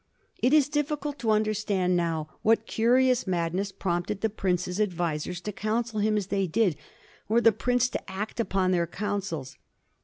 It is difficult to understand now what curious madness prompted the prince's advisers to counsel him as they did, or the prince to act upon their counsels.